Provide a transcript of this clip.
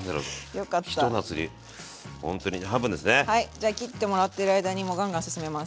じゃあ切ってもらってる間にもうガンガン進めます。